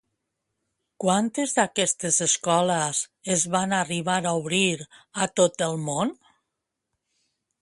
Quantes d'aquestes escoles es van arribar a obrir a tot el món?